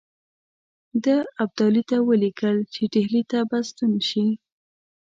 ده ابدالي ته ولیکل چې ډهلي ته به ستون شي.